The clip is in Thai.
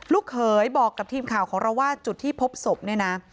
เขยบอกกับทีมข่าวของเราว่าจุดที่พบศพเนี่ยนะ